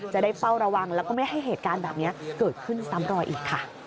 จะได้เฝ้าระวังแล้วก็ไม่ให้เหตุการณ์แบบนี้เกิดขึ้นซ้ำรอยอีกค่ะ